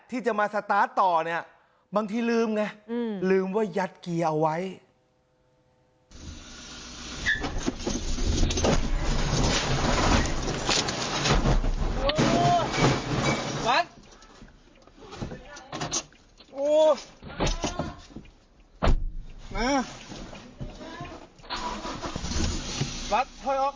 ที่จะมาสตาร์ทต่อเนี่ยบางทีลืมไงลืมว่ายัดเกียร์เอาไว้